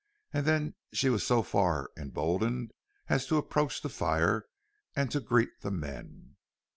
And then she was so far emboldened as to approach the fire and to greet the men.